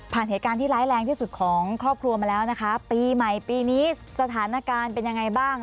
เหตุการณ์ที่ร้ายแรงที่สุดของครอบครัวมาแล้วนะคะปีใหม่ปีนี้สถานการณ์เป็นยังไงบ้าง